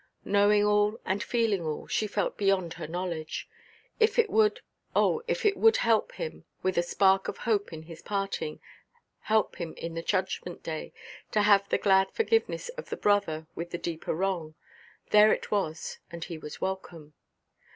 Knowing all and feeling all, she felt beyond her knowledge. If it would—oh, if it would help him with a spark of hope in his parting, help him in the judgment–day, to have the glad forgiveness of the brother with the deeper wrong—there it was, and he was welcome.